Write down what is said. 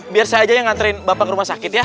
biar saya aja yang nganterin bapak ke rumah sakit ya